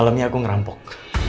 malamnya aku ngerampok